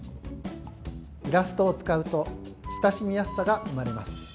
イラストを使うと親しみやすさが生まれます。